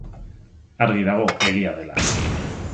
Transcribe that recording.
Argi dago egia dela.